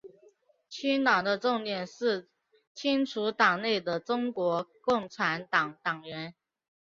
清党的重点是清除党内的中国共产党党员。